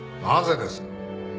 なぜです？